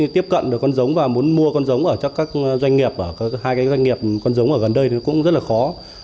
tiếp cận được con giống và muốn mua con giống ở các doanh nghiệp ở hai doanh nghiệp con giống ở gần đây thì cũng rất là khó